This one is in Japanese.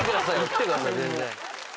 来てください全然。